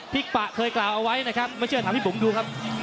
พี่ปะเคยกล่าวเอาไว้นะครับไม่เชื่อถามพี่บุ๋มดูครับ